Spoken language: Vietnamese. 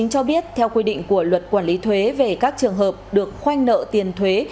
cho biết theo quy định của luật quản lý thuế về các trường hợp được khoanh nợ tiền thuế